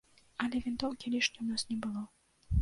Але вінтоўкі лішняй у нас не было.